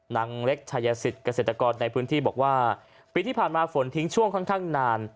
นางเล็กชายสิทธิ์เกษตรกรในพื้นที่บอกว่าปีที่ผ่านมาฝนทิ้งช่วงค่อนข้างนาน